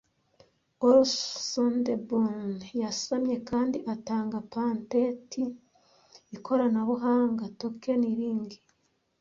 Olof Sonderblom yasamye kandi atanga patenti ikoranabuhanga Token Ring